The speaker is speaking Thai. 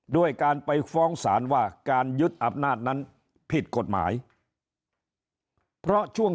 ด้วยการไปฟ้องศาลว่าการยึดอำนาจนั้นผิดกฎหมายเพราะช่วง